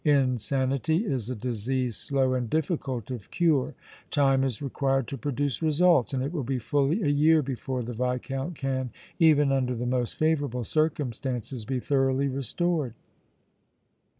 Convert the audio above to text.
Insanity is a disease slow and difficult of cure; time is required to produce results and it will be fully a year before the Viscount can, even under the most favorable circumstances, be thoroughly restored."